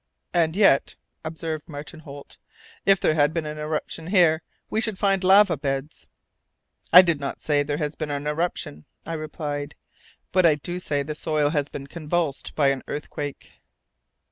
"And yet," observed Martin Holt, "if there had been an eruption here, we should find lava beds." "I do not say that there has been an eruption," I replied, "but I do say the soil has been convulsed by an earthquake."